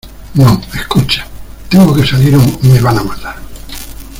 no. escucha ... tengo que salir o me van a matar .